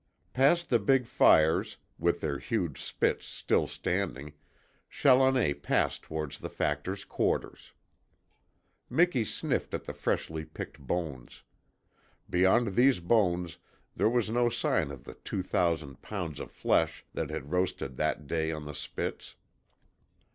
Past the big fires, with their huge spits still standing, Challoner passed toward the Factor's quarters. Miki sniffed at the freshly picked bones. Beyond these bones there was no sign of the two thousand pounds of flesh that had roasted that day on the spits.